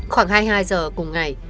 khoảng hai mươi hai h cùng ngày